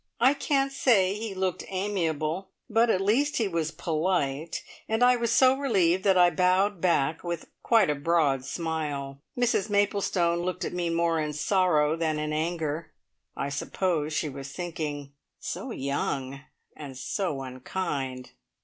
I can't say he looked amiable, but at least he was polite, and I was so relieved that I bowed back with quite a broad smile. Mrs Maplestone looked at me more in sorrow than in anger. I suppose she was thinking, "So young and so unkind!"